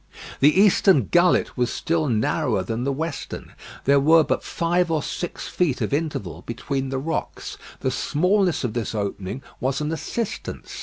The eastern gullet was still narrower than the western. There were but five or six feet of interval between the rocks. The smallness of this opening was an assistance.